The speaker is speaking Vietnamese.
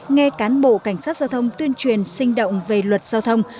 nghe cán bộ cảnh sát giao thông tuyên truyền sinh động về luật giao thông